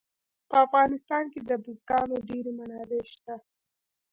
په افغانستان کې د بزګانو ډېرې منابع شته.